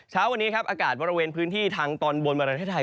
เช้าวันนี้ครับอากาศบริเวณพื้นที่ทางตอนบนประเทศไทย